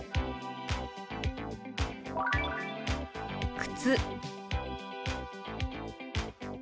「靴」。